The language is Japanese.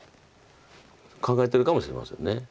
考えてるかもしれません。